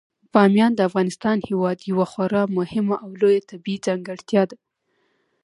بامیان د افغانستان هیواد یوه خورا مهمه او لویه طبیعي ځانګړتیا ده.